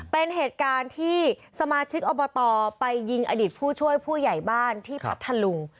เป็นเหตุการณ์ที่สมาชิกอบตไปยิงอดีตผู้ช่วยผู้ใหญ่บ้านที่พัทธลุง